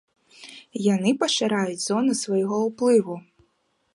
Яны пашыраюць зону свайго ўплыву.